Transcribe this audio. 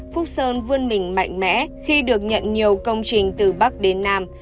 quân mình mạnh mẽ khi được nhận nhiều công trình từ bắc đến nam